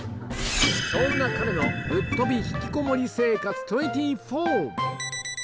そんな彼のぶっ飛び引きこもり生活